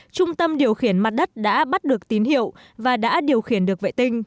trung tâm điều khiển mặt đất đã bắt được tín hiệu và đã điều khiển được vệ tinh